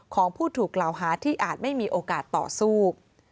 ของผู้ถูกกล่าวหาที่อาจไม่มีโอกาสต่อสู้